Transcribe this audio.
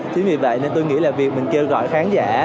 chính vì vậy nên tôi nghĩ là việc mình kêu gọi khán giả